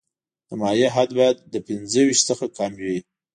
د مایع حد باید له پنځه ویشت څخه کم وي